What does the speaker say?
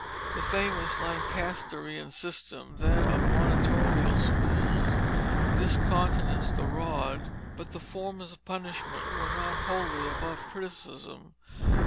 The famous Lancasterian system that of monitorial schools discountenanced the rod, but the forms of punishment were not wholly above criticism.